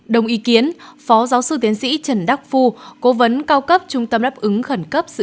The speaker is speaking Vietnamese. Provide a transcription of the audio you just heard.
đồng ý kiến phó giáo sư tiến sĩ trần đắc phu cố vấn cao cấp trung tâm đáp ứng khẩn cấp dự